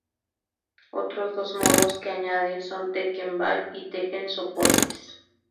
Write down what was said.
Otros dos modos que añade son Tekken Ball y Tekken Supporters.